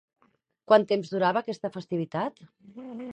Quant temps durava aquesta festivitat?